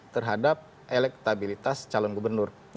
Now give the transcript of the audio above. terhadap elektabilitas calon gubernur